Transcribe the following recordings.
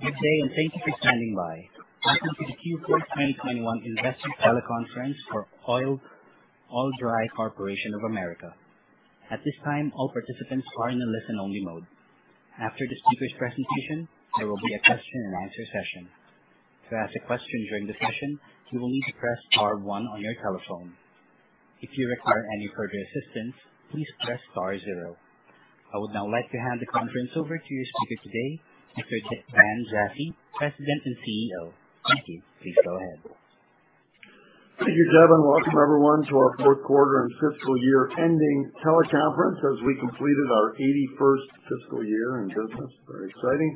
Good day. Thank you for standing by. Welcome to the Q4 2021 Investor Teleconference for Oil-Dri Corporation of America. At this time, all participants are in a listen-only mode. After the speakers' presentation, there will be a question and answer session. To ask a question during the session, you will need to press star one on your telephone. If you require any further assistance, please press star zero. I would now like to hand the conference over to your speaker today, Mr. Daniel Jaffee, President and CEO. Thank you. Please go ahead. Thank you, Kevin. Welcome, everyone, to our fourth quarter and fiscal year ending teleconference as we completed our 81st fiscal year in business. Very exciting.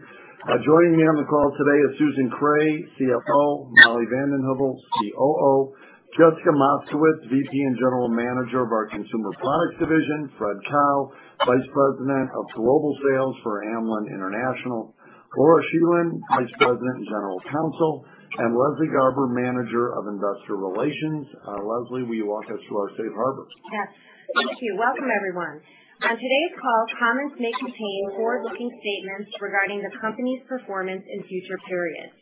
Joining me on the call today is Susan Kreh, CFO, Molly VandenHeuvel, COO, Jessica Moskowitz, VP and General Manager of our Consumer Products Division, Fred Kao, Vice President of Global Sales for Amlan International, Laura Scheland, Vice President and General Counsel, and Leslie Garber, Manager of Investor Relations. Leslie, will you walk us through our safe harbor? Yes. Thank you. Welcome, everyone. On today's call, comments may contain forward-looking statements regarding the company's performance in future periods.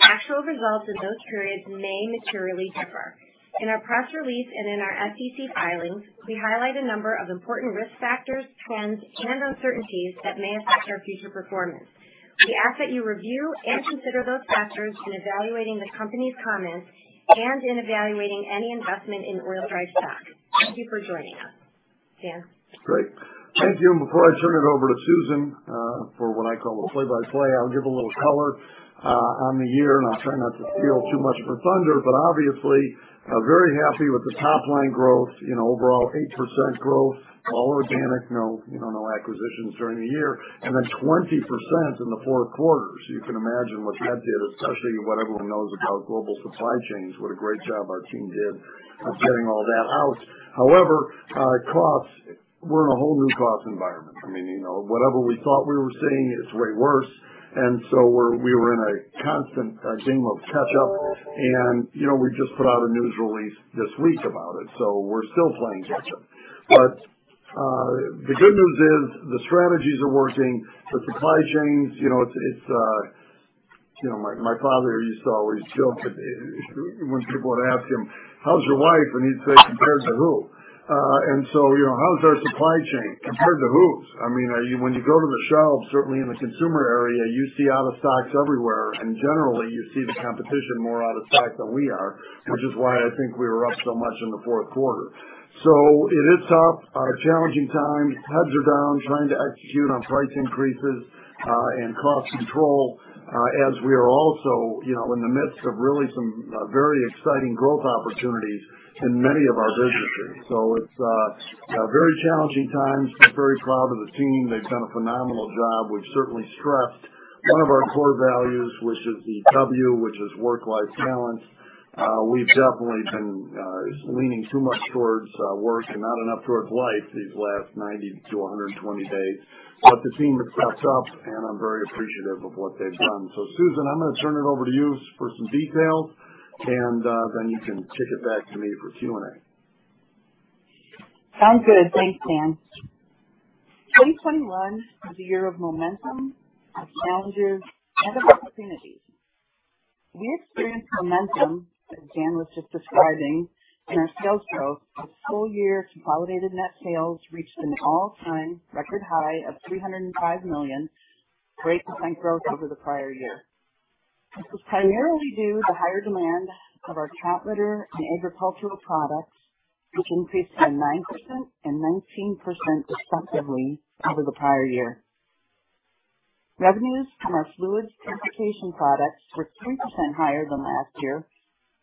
Actual results in those periods may materially differ. In our press release and in our SEC filings, we highlight a number of important risk factors, trends, and uncertainties that may affect our future performance. We ask that you review and consider those factors in evaluating the company's comments and in evaluating any investment in Oil-Dri stock. Thank you for joining us. Dan? Great. Thank you. Before I turn it over to Susan for what I call a play-by-play, I'll give a little color on the year, and I'll try not to steal too much of her thunder. Obviously, very happy with the top-line growth. Overall 8% growth, all organic, no acquisitions during the year, and then 20% in the four quarters. You can imagine what that did, especially what everyone knows about global supply chains, what a great job our team did of getting all that out. However, our costs, we're in a whole new cost environment. Whatever we thought we were seeing is way worse, and so we were in a constant game of catch-up, and we just put out a news release this week about it, so we're still playing catch-up. The good news is the strategies are working. The supply chains, my father used to always joke when people would ask him, "How's your wife?" And he'd say, "Compared to who?" How's our supply chain? Compared to who? When you go to the shelves, certainly in the consumer area, you see out of stocks everywhere, and generally, you see the competition more out of stock than we are, which is why I think we were up so much in the fourth quarter. It is tough. A challenging time. Heads are down trying to execute on price increases and cost control as we are also in the midst of really some very exciting growth opportunities in many of our businesses. It's very challenging times, but very proud of the team. They've done a phenomenal job. We've certainly stressed one of our core values, which is the W, which is work-life balance. We've definitely been leaning too much towards work and not enough towards life these last 90-120 days. The team has stepped up, and I'm very appreciative of what they've done. Susan, I'm going to turn it over to you for some details, and then you can kick it back to me for Q&A. Sounds good. Thanks, Dan. 2021 was a year of momentum, of challenges, and of opportunities. We experienced momentum, as Dan was just describing, in our sales growth. Our full year consolidated net sales reached an all-time record high of $305 million, 8% growth over the prior year. This was primarily due to higher demand of our cat litter and agricultural products, which increased by 9% and 19% respectively over the prior year. Revenues from our fluids purification products were 3% higher than last year,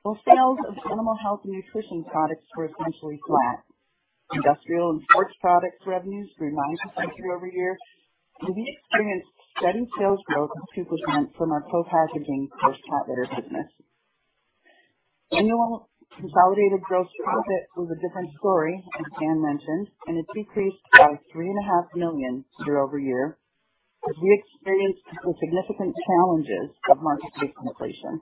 while sales of animal health and nutrition products were essentially flat. Industrial and sports products revenues grew 9% year-over-year. We experienced steady sales growth of 2% from our co-packaging coarse cat litter business. Annual consolidated gross profit was a different story, as Dan mentioned, and it decreased by three and a half million year-over-year as we experienced the significant challenges of market inflation.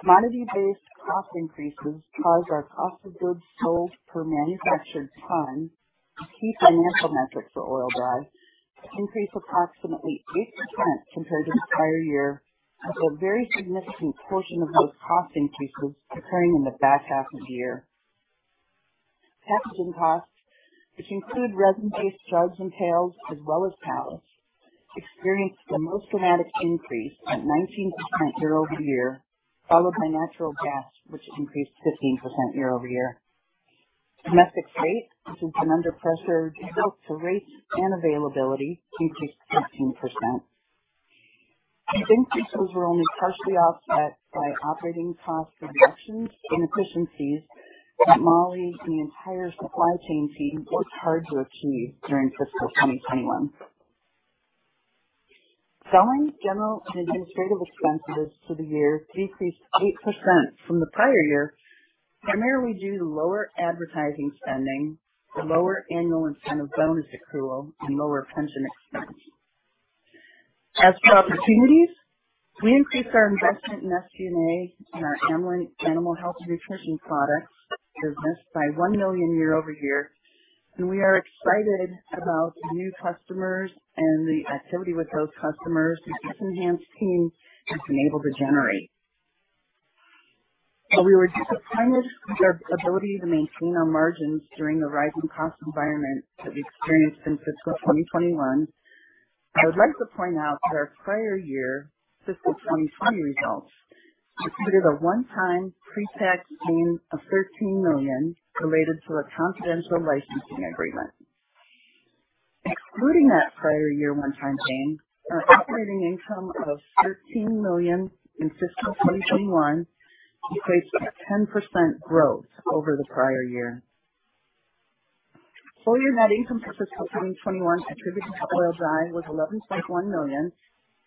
Commodity-based cost increases caused our cost of goods sold per manufactured ton, a key financial metric for Oil-Dri, to increase approximately 8% compared to the prior year, with a very significant portion of those cost increases occurring in the back half of the year. Packaging costs, which include resin-based jugs and pails as well as pallets, experienced the most dramatic increase at 19% year-over-year, followed by natural gas, which increased 15% year-over-year. Domestic freight, which has been under pressure due both to rates and availability, increased 15%. These increases were only partially offset by operating cost reductions and efficiencies that Molly VandenHeuvel and the entire supply chain team worked hard to achieve during fiscal 2021. Selling, General & Administrative expenses for the year decreased 8% from the prior year, primarily due to lower advertising spending, lower annual incentive bonus accrual, and lower pension expense. As for opportunities, we increased our investment in SG&A and our Animal Health and Nutrition Products business by $1 million year-over-year, and we are excited about new customers and the activity with those customers this enhanced team has been able to generate. While we were disappointed with our ability to maintain our margins during the rising cost environment that we experienced since fiscal 2021, I would like to point out that our prior year fiscal 2020 results included a one-time pre-tax gain of $13 million related to a confidential licensing agreement. Excluding that prior year one-time gain, our operating income of $13 million in fiscal 2021 equates to 10% growth over the prior year. Full year net income for fiscal 2021 attributed to Oil-Dri was $11.1 million.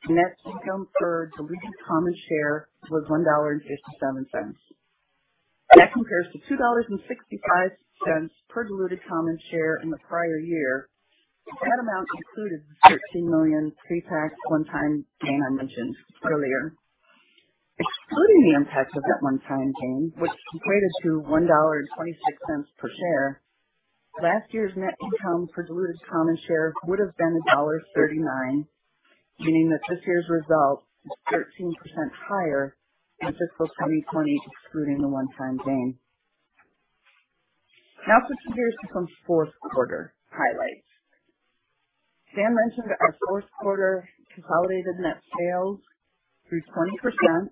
Net income per diluted common share was $1.57. That compares to $2.65 per diluted common share in the prior year. That amount included the $13 million pre-tax one-time gain I mentioned earlier. Excluding the impact of that one-time gain, which equated to $1.26 per share, last year's net income per diluted common share would have been $1.39, meaning that this year's result is 13% higher than fiscal 2020, excluding the one-time gain. For some of the year's fourth quarter highlights. Dan mentioned our fourth quarter consolidated net sales grew 20%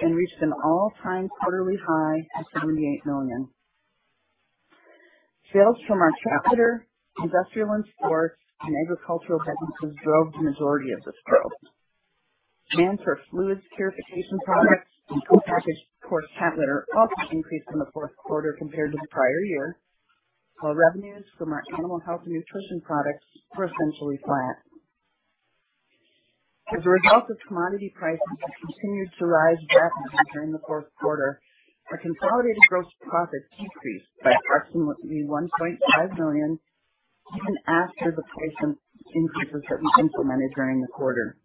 and reached an all-time quarterly high of $78 million. Sales from our cat litter, industrial and sports, and agricultural businesses drove the majority of this growth. Demand for fluids purification products and co-packaged coarse cat litter also increased in the fourth quarter compared to the prior year, while revenues from our animal health and nutrition products were essentially flat. As a result of commodity prices that continued to rise rapidly during the fourth quarter, our consolidated gross profit decreased by approximately $1.5 million, even after the price increases that we implemented during the quarter.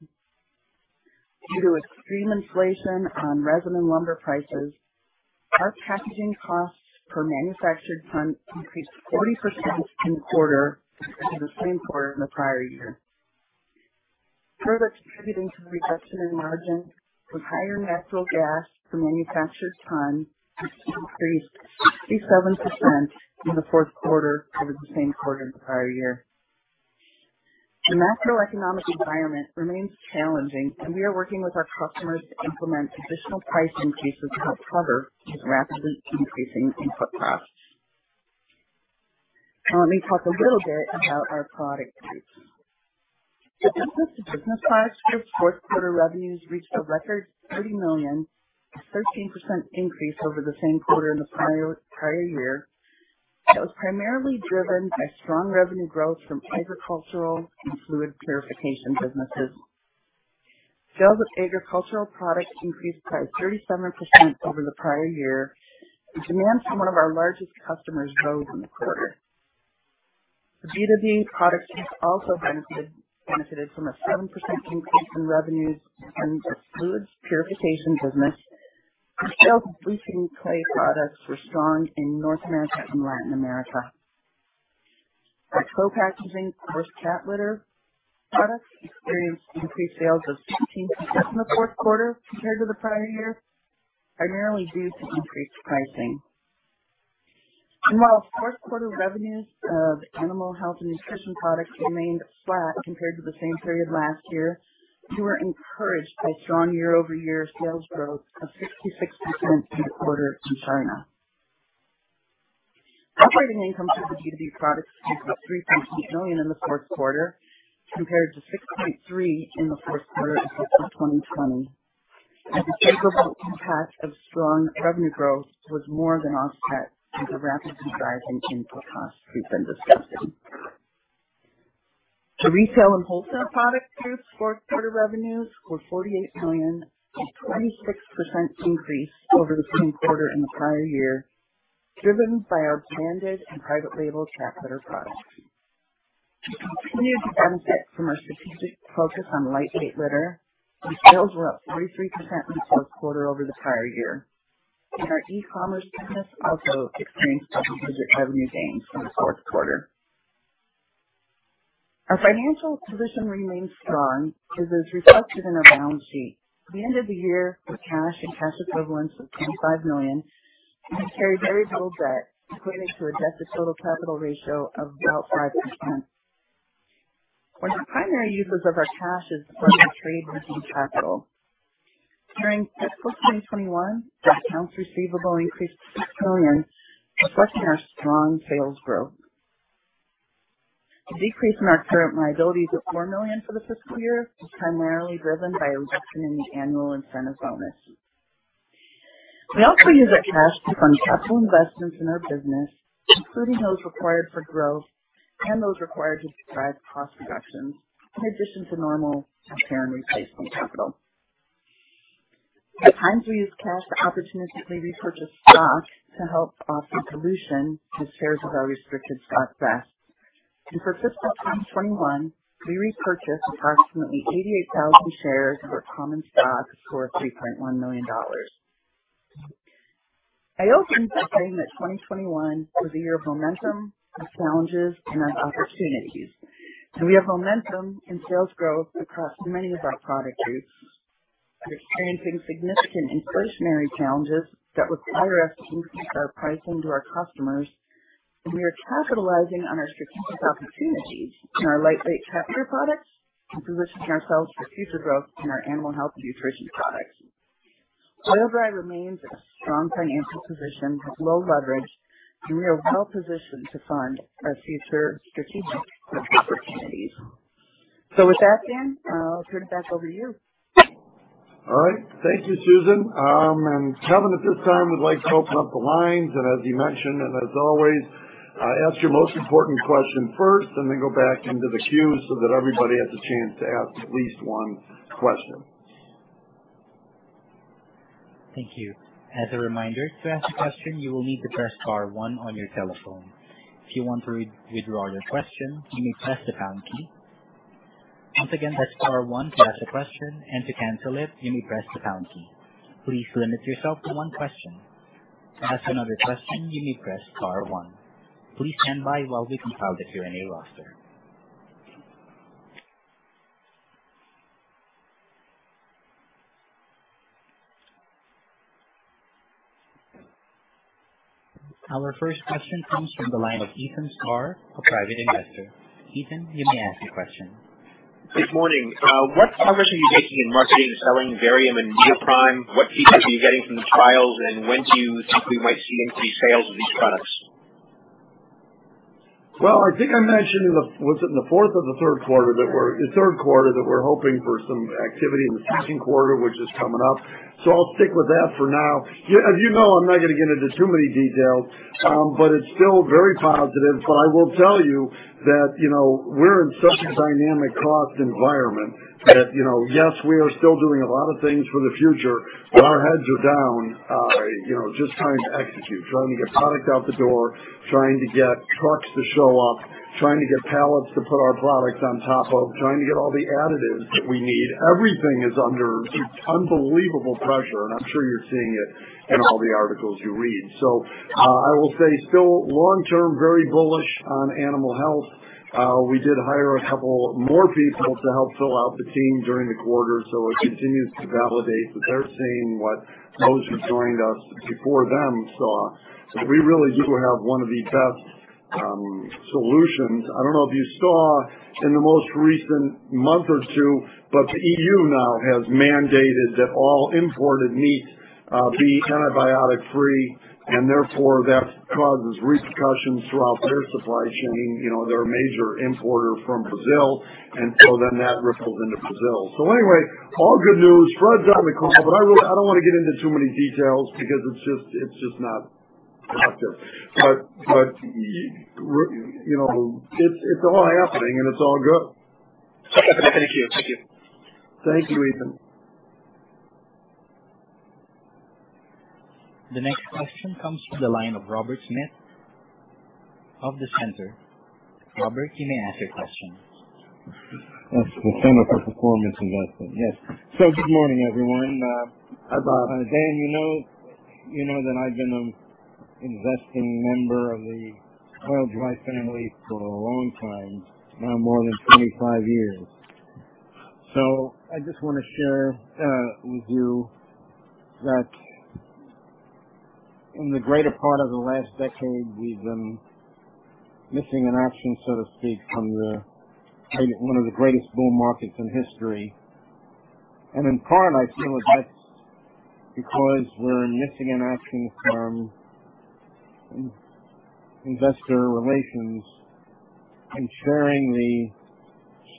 Due to extreme inflation on resin and lumber prices, our packaging costs per manufactured ton increased 40% in the quarter compared to the same quarter in the prior year. Further contributing to the reduction in margin was higher natural gas per manufactured ton, which increased 57% in the fourth quarter over the same quarter in the prior year. The macroeconomic environment remains challenging, and we are working with our customers to implement additional price increases to help cover these rapidly increasing input costs. Let me talk a little bit about our product groups. The B2B products group's fourth quarter revenues reached a record $30 million, a 13% increase over the same quarter in the prior year. That was primarily driven by strong revenue growth from agricultural and fluids purification businesses. Sales of agricultural products increased by 37% over the prior year as demand from one of our largest customers rose in the quarter. The B2B products group also benefited from a 7% increase in revenues from the fluids purification business as sales of bleaching clay products were strong in North America and Latin America. Our co-packaging cat litter products experienced increased sales of 15% in the fourth quarter compared to the prior year, primarily due to increased pricing. While fourth quarter revenues of Animal Health and Nutrition products remained flat compared to the same period last year, we were encouraged by strong year-over-year sales growth of 66% in the quarter from China. Operating income from the B2B products group was $3.2 million in the fourth quarter, compared to $6.3 million in the fourth quarter of fiscal 2020, as the favorable impact of strong revenue growth was more than offset by the rapidly rising input costs we've been discussing. The retail and wholesale product group's fourth quarter revenues were $48 million, a 26% increase over the same quarter in the prior year, driven by our branded and private label cat litter products. We continued to benefit from our strategic focus on lightweight litter. Sales were up 43% in the fourth quarter over the prior year, and our e-commerce business also experienced double-digit revenue gains in the fourth quarter. Our financial position remains strong and is reflected in our balance sheet. At the end of the year, with cash and cash equivalents of $25 million, we carry very little debt, equating to a debt to total capital ratio of about 5%. One of the primary uses of our cash is to fund working capital. During fiscal 2021, accounts receivable increased to $6 million, reflecting our strong sales growth. The decrease in our current liabilities of $4 million for the fiscal year was primarily driven by a reduction in the annual incentive bonus. We also use that cash to fund capital investments in our business, including those required for growth and those required to drive cost reductions in addition to normal repair and replacement capital. At times, we use cash to opportunistically repurchase stock to help offset dilution to shares of our restricted stock grants. For fiscal 2021, we repurchased approximately 88,000 shares of our common stock for $3.1 million. I opened by saying that 2021 was a year of momentum, of challenges, and of opportunities. We have momentum in sales growth across many of our product groups. We're experiencing significant inflationary challenges that require us to increase our pricing to our customers, and we are capitalizing on our strategic opportunities in our lightweight cat litter products and positioning ourselves for future growth in our Animal Health and Nutrition products. Oil-Dri remains in a strong financial position with low leverage, and we are well-positioned to fund our future strategic growth opportunities. With that, Dan, I'll turn it back over to you. All right. Thank you, Susan. Kevin, at this time, we'd like to open up the lines, and as you mentioned, and as always, ask your most important question first, and then go back into the queue so that everybody has a chance to ask at least one question. Thank you. As a reminder, to ask a question, you will need to press star one on your telephone. If you want to withdraw your question, you may press the pound key. Once again, that's star one to ask a question, and to cancel it, you may press the pound key. Please limit yourself to one question. To ask another question, you may press star one. Please stand by while we compile the Q&A roster. Our first question comes from the line of Ethan Starr, a private investor. Ethan, you may ask your question. Good morning. What progress are you making in marketing and selling Varium and NeoPrime? What feedback are you getting from the trials? When do you think we might see increased sales of these products? Well, I think I mentioned, was it in the fourth or the third quarter, the third quarter, that we're hoping for some activity in the second quarter, which is coming up. I'll stick with that for now. As you know, I'm not going to get into too many details. It's still very positive. I will tell you that we're in such a dynamic cost environment that, yes, we are still doing a lot of things for the future, but our heads are down just trying to execute, trying to get product out the door, trying to get trucks to show up, trying to get pallets to put our products on top of, trying to get all the additives that we need. Everything is under unbelievable pressure, and I'm sure you're seeing it in all the articles you read. I will say still long-term, very bullish on animal health. We did hire a couple more people to help fill out the team during the quarter, so it continues to validate that they're seeing what those who joined us before them saw. That we really do have one of the best solutions. I don't know if you saw in the most recent month or two, but the EU now has mandated that all imported meat be antibiotic-free, and therefore, that causes repercussions throughout their supply chain. They're a major importer from Brazil, and so then that ripples into Brazil. Anyway, all good news. Fred's on the call, but I don't want to get into too many details because it's just not productive. It's all happening, and it's all good. Thank you. Thank you, Ethan. The next question comes from the line of Robert Smith of the Center. Robert, you may ask your question. Yes. With Center for Performance Investing. Yes. Good morning, everyone. Hi, Bob. Dan, you know that I've been an investing member of the Oil-Dri family for a long time, now more than 25 years. I just want to share with you that in the greater part of the last decade, we've been missing in action, so to speak, from one of the greatest bull markets in history. In part, I feel that that's because we're missing in action from investor relations and sharing the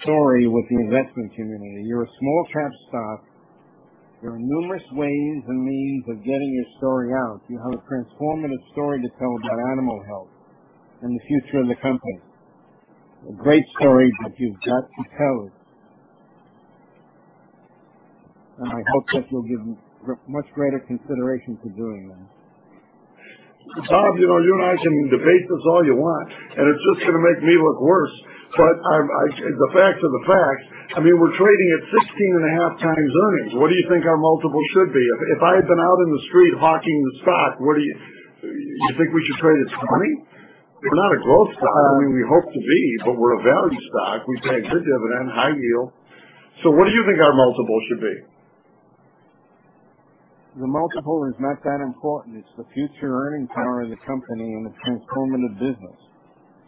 story with the investment community. You're a small-cap stock. There are numerous ways and means of getting your story out. You have a transformative story to tell about animal health and the future of the company. A great story that you've got to tell. I hope that you'll give much greater consideration to doing that. Rob, you and I can debate this all you want, it's just going to make me look worse. The facts are the facts. We're trading at 16.5x earnings. What do you think our multiple should be? If I had been out in the street hawking the stock, you think we should trade at 20? We're not a growth stock. We hope to be, we're a value stock. We pay a good dividend, high yield. What do you think our multiple should be? The multiple is not that important. It's the future earning power of the company and the transformative business.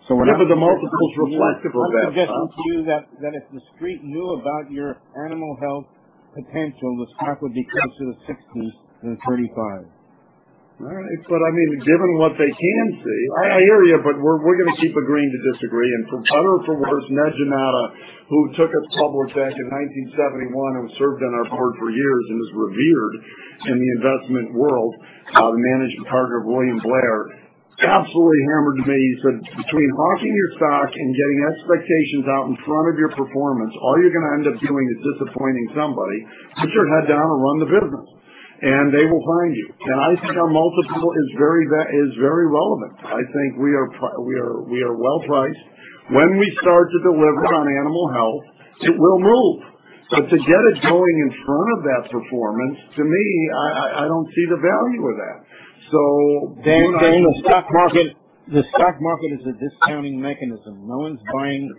The multiple's reflective of that, Robert. I'm suggesting to you that if the Street knew about your animal health potential, the stock would be closer to $60 than $35. All right. Given what they can see, I hear you, but we're going to keep agreeing to disagree. For better or for worse, Edgar Jannotta, who took us public back in 1971 and served on our board for years and is revered in the investment world, the managing partner of William Blair absolutely hammered me. He said, "Between hawking your stock and getting expectations out in front of your performance, all you're going to end up doing is disappointing somebody. Put your head down and run the business, and they will find you." I think our multiple is very relevant. I think we are well-priced. When we start to deliver on Animal Health, it will move. To get it going in front of that performance, to me, I don't see the value of that. Dan, the stock market is a discounting mechanism. No one's buying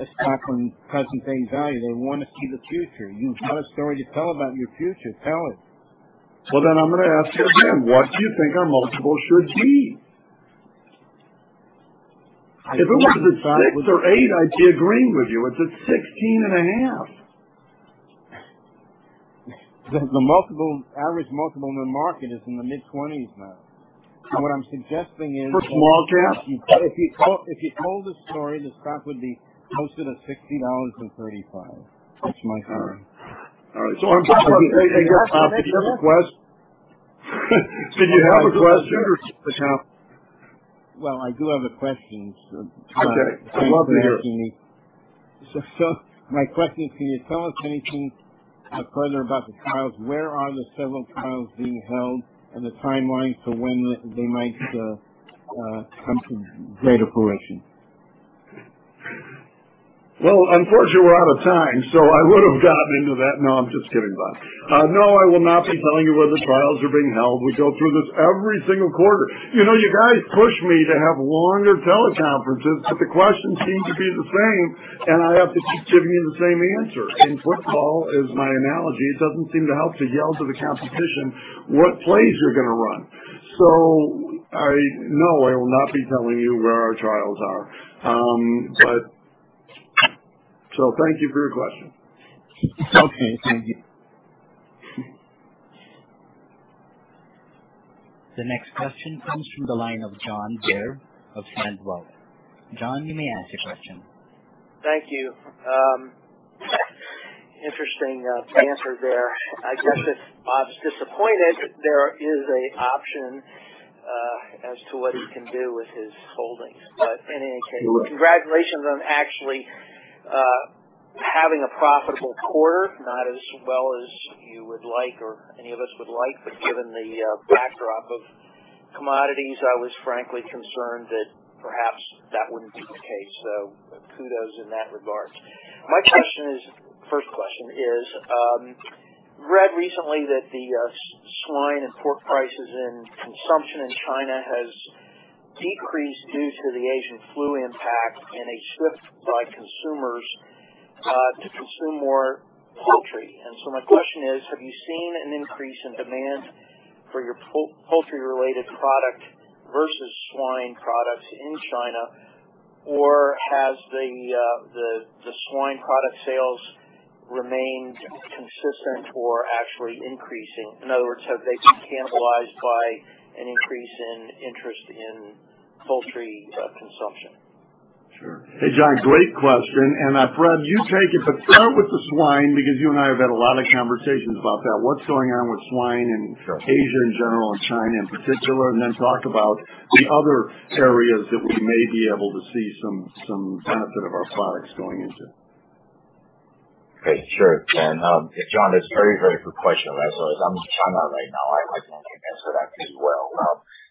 a stock on present value. They want to see the future. You've got a story to tell about your future, tell it. Well, I'm going to ask you again, what do you think our multiple should be? I thought. If it was at six or eight, I'd be agreeing with you. It's at 16 and a half. The average multiple in the market is in the mid-20s, Daniel Jaffee. For small caps? If you told the story, the stock would be closer to $60 than $35. That's my theory. All right. Hey, did you have a question? Did you have a question or something else? Well, I do have a question, sir. Okay. Thank you for asking me. My question is, can you tell us anything further about the trials? Where are the several trials being held and the timeline to when they might come to greater fruition? Well, unfortunately, we're out of time. I would've gotten into that. I'm just kidding, Robert Smith. I will not be telling you where the trials are being held. We go through this every single quarter. You guys push me to have longer teleconferences. The questions seem to be the same. I have to keep giving you the same answer. In football, is my analogy, it doesn't seem to help to yell to the competition what plays you're going to run. I will not be telling you where our trials are. Thank you for your question. Okay, thank you. The next question comes from the line of John Bair of Ascend Wealth. John, you may ask your question. Thank you. Interesting answer there. I guess if Bob's disappointed, there is an option as to what he can do with his holdings. In any case, congratulations on actually having a profitable quarter. Not as well as you would like or any of us would like, but given the backdrop of commodities, I was frankly concerned that perhaps that wouldn't be the case. Kudos in that regard. My first question is, read recently that the swine and pork prices and consumption in China has decreased due to the African swine fever impact and a shift by consumers to consume more poultry. My question is, have you seen an increase in demand for your poultry-related product versus swine products in China, or has the swine product sales remained consistent or actually increasing? In other words, have they been cannibalized by an increase in interest in poultry consumption? Sure. Hey, John, great question. I'll Fred you take it, but start with the swine, because you and I have had a lot of conversations about that. What's going on with swine in Asia in general and China in particular, and then talk about the other areas that we may be able to see some benefit of our products going into. Okay, sure. John, that's a very, very good question. As I'm in China right now, I'd like to answer that as well.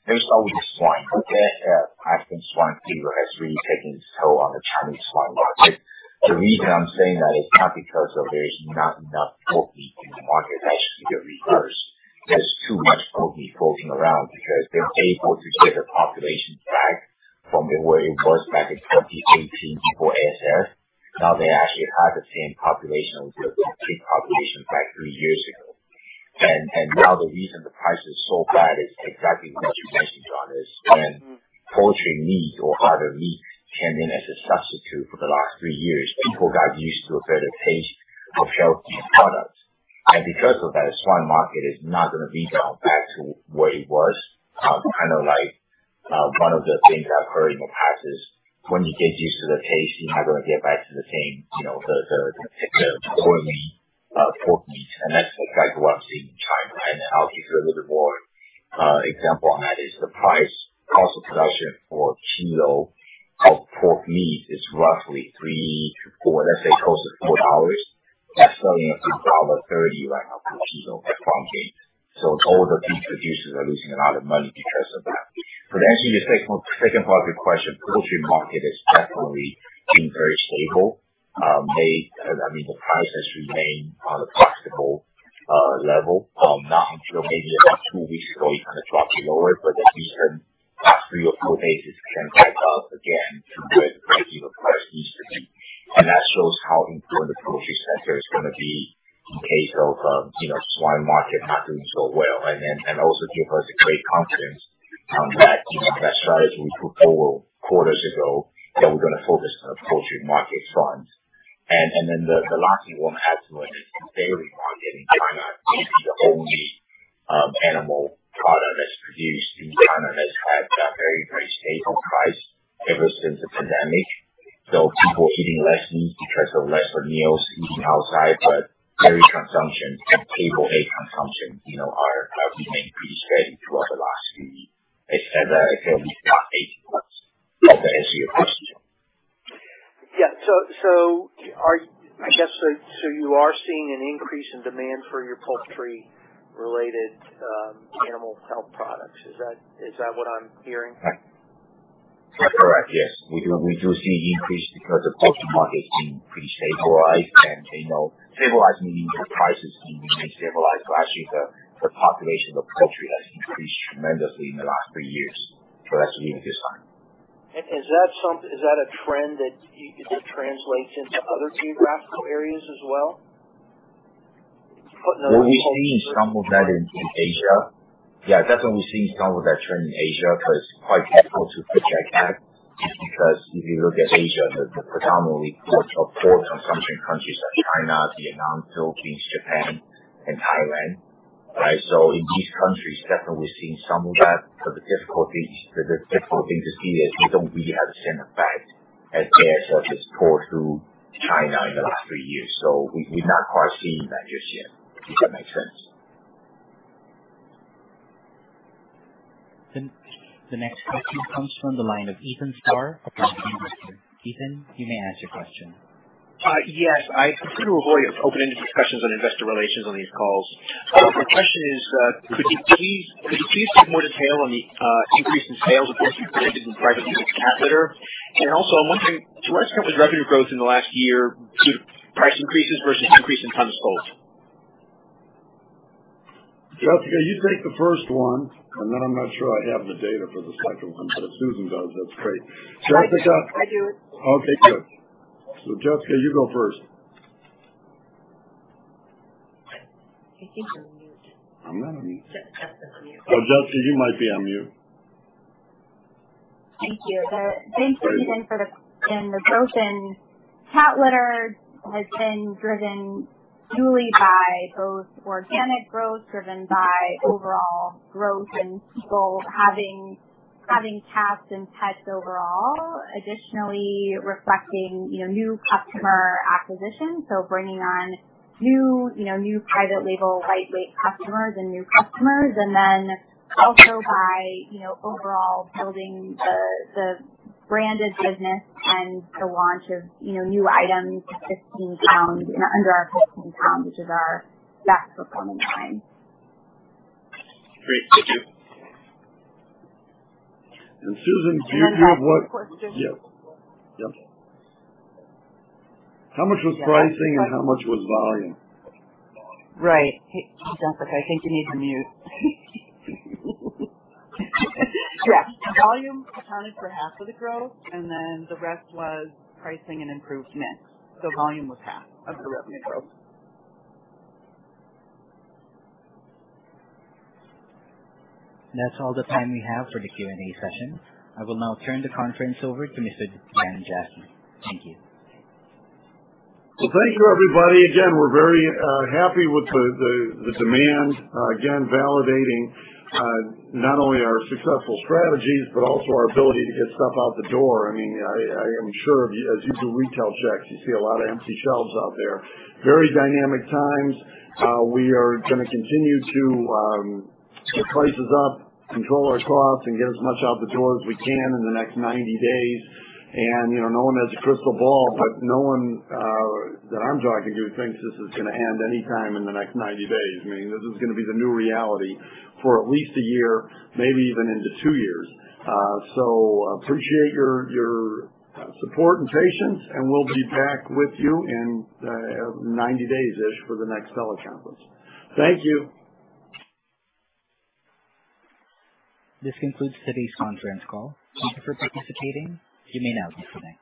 There's always swine. Yeah, I think swine fever has really taken its toll on the Chinese swine market. The reason I'm saying that is not because there is not enough pork meat in the market. It's actually the reverse. There's too much pork meat floating around because they're able to get the population back from where it was back in 2018, before ASF. Now they actually have the same population of their pig population back three years ago. Now the reason the price is so bad is exactly what you mentioned, John, is when poultry meat or other meat came in as a substitute for the last three years, people got used to a better taste of healthier products. Because of that, the swine market is not going to rebound back to where it was. Kind of like one of the things I've heard in the past is, when you get used to the taste, you're not going to get back to the pork meat. That's exactly what I'm seeing in China. I'll give you a little bit more example on that is the cost of production for a kilo of pork meat is roughly $3-$4, let's say close to $4. That's selling at $1.30 right now per kilo, at farm gate. All the pig producers are losing a lot of money because of that. Answering the second part of your question, poultry market has definitely been very stable. The prices remain on a practical level. Maybe about two weeks ago, it kind of dropped lower. The reason after two or four days, it's kind of back up again to where the regular price needs to be. That shows how important the poultry sector is going to be in case of swine market not doing so well, and also give us a great confidence that strategy we put forward quarters ago, that we're going to focus on the poultry market fronts. The last thing I want to add to it is the dairy market in China is the only animal product that's produced in China that's had a very, very stable price ever since the pandemic. People eating less meat because of lesser meals eating outside. Dairy consumption and table egg consumption are remaining pretty steady throughout the last few weeks. I said that at least the past eight months. That's the answer to your question. I guess you are seeing an increase in demand for your poultry-related animal health products. Is that what I'm hearing? That's correct. Yes. We do see an increase because the poultry market's been pretty stabilized and stabilizing prices remain stabilized. Actually the population of poultry has increased tremendously in the last three years. That's really a good sign. Is that a trend that translates into other geographical areas as well? Well, we're seeing some of that in Asia. Yeah, definitely we're seeing some of that trend in Asia, it's quite difficult to project that because if you look at Asia, the predominantly pork consumption countries are China, Vietnam, Philippines, Japan, and Thailand. In these countries, definitely we're seeing some of that, the difficult thing to see is we don't really have the same effect as ASF has tore through China in the last three years. We've not quite seen that just yet. If that makes sense. The next question comes from the line of Ethan Starr, a private investor. Ethan, you may ask your question. Yes. I prefer to avoid open-ended discussions on investor relations on these calls. My question is, could you give more detail on the increase in sales of what you predicted in private label cat litter? Also I'm wondering, do the company's revenue growth in the last year due to price increases versus increase in tons sold? Jessica, you take the first one, and then I'm not sure I have the data for the second one, but if Susan does, that's great. Jessica? I do. Okay, good. Jessica, you go first. I think you're on mute. I'm not on mute. Jessica's on mute. Oh, Jessica, you might be on mute. Thank you. Thanks, Ethan, for the question. Additionally, the growth in cat litter has been driven duly by both organic growth driven by overall growth in people having cats and pets overall. Reflecting new customer acquisition, so bringing on new private label lightweight customers and new customers, and then also by overall building the branded business and the launch of new items under our 15 pound, which is our best performing line. Great. Thank you. Susan, do you have? The second part of the question. Yeah. How much was pricing and how much was volume? Right. Hey, Jessica, I think you need to mute. Yeah. Volume accounted for half of the growth, the rest was pricing and improved mix. Volume was half of the revenue growth. That's all the time we have for the Q&A session. I will now turn the conference over to Mr. Daniel Jaffee. Thank you. Well, thank you, everybody. We're very happy with the demand. Validating not only our successful strategies, but also our ability to get stuff out the door. I am sure as you do retail checks, you see a lot of empty shelves out there. Very dynamic times. We are going to continue to get prices up, control our costs, and get as much out the door as we can in the next 90 days. No one has a crystal ball. No one that I'm talking to thinks this is going to end any time in the next 90 days. This is going to be the new reality for at least a year, maybe even into two years. Appreciate your support and patience. We'll be back with you in 90 days-ish for the next teleconference. Thank you. This concludes today's conference call. Thank you for participating. You may now disconnect.